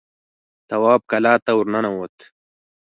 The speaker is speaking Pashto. تواب کلا ته ور ننوت.